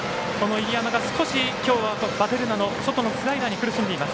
入山が少しきょうはヴァデルナの外のスライダーに苦しんでいます。